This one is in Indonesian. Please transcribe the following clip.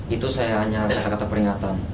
itu saya hanya kata kata peringatan